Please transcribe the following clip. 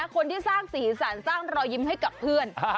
คนที่สร้างสีสันสร้างรอยยิ้มให้กับเพื่อน